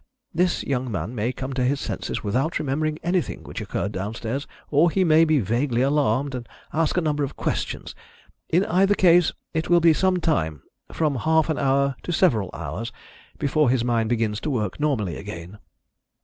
This young man may come to his senses without remembering anything which occurred downstairs, or he may be vaguely alarmed, and ask a number of questions. In either case, it will be some time from half an hour to several hours before his mind begins to work normally again."